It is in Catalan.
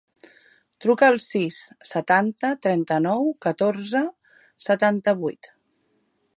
Truca al sis, setanta, trenta-nou, catorze, setanta-vuit.